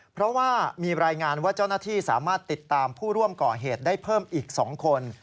เพราะว่ามีรายงานว่าเจ้าหน้าที่สามารถติดตามผู้ร่วมก่อเหตุได้เพิ่มอีก๒คน